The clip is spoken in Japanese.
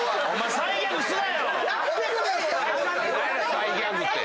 サイギャグって。